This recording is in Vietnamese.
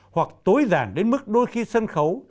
hoặc tối giản đến mức đôi khi sân khấu